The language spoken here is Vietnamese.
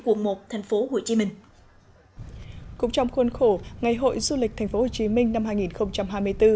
cũng trong khuôn khổ ngày hội du lịch tp hcm năm hai nghìn hai mươi bốn